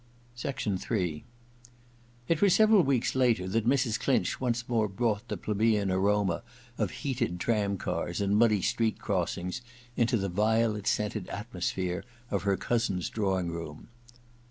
" 91 9 t* III It was several weeks later that Mrs. Clinch once more brought the plebeian aroma of heated tramcars and muddy street crossings into the violet scented atmosphere of her cousin's draw ing room.